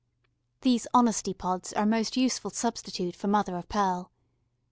These honesty pods are a most useful substitute for mother of pearl.